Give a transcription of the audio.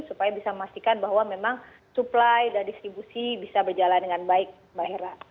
supaya bisa memastikan bahwa memang supply dan distribusi bisa berjalan dengan baik mbak hera